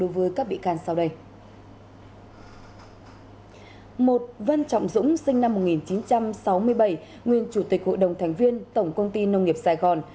một vân trọng dũng sinh năm một nghìn chín trăm sáu mươi bảy nguyên chủ tịch hội đồng thành viên tổng công ty nông nghiệp sài gòn